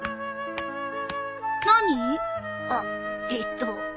何？あっえっと。